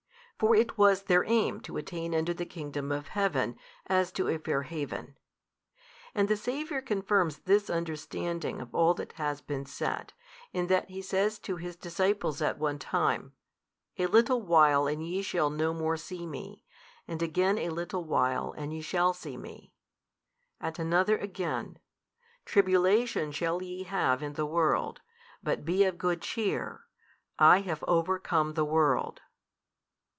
For it was their aim to attain unto the Kingdom of Heaven, as to a fair haven. And the Saviour confirms this understanding of all that has been said, in that he says to His Disciples at one time, A little while and ye shall no more see Me, and again a little while and ye shall see Me, at another again, Tribulation shall ye have in the world, but be of good cheer, I have overcome the world.